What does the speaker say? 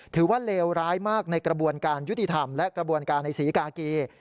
ว่าเลวร้ายมากในกระบวนการยุติธรรมและกระบวนการในศรีกากี